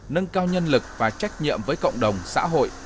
nâng cao nhân lực và trách nhiệm với cộng đồng xã hội